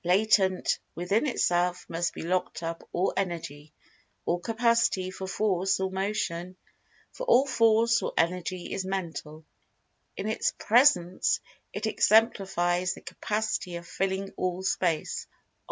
Latent within itself must be locked up all Energy, or capacity for Force or Motion, for all Force or Energy is Mental. In its very presence it exemplifies the capacity of filling All Space.